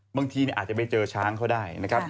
บางทีอาจจะไปเจอช้างเขาได้นะครับ